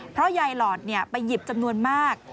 เพราะยายหลอดไปหยิบจำนวนมาก